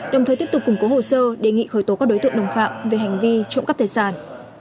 đồng thời tiếp tục củng cố hồ sơ đề nghị khởi tố các đối tượng đồng phạm về hành vi trộm cắp tài sản